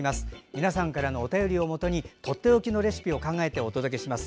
皆さんからのお便りをもとにとっておきのレシピを考えてお届けします。